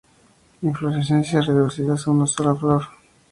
Inflorescencias reducidas a una sola flor.